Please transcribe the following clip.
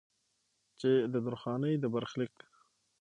چې د درخانۍ د برخليک